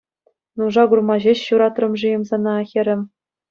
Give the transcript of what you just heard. Нуша курма ҫеҫ ҫуратрӑм-шим сана, хӗрӗм.